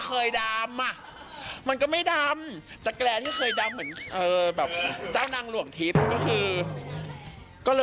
เฮ้ยกินข้าวกับไข่โกงมันช่วยได้หรอ